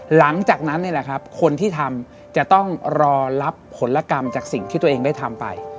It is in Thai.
หลังจากนั้นนี่แหละครับคนที่ทำจะต้องรอรับผลกรรมจากสิ่งที่ตัวเองได้ทำไป